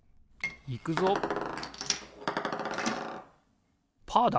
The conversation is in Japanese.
いくぞパーだ！